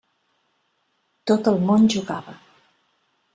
Tot el món jugava.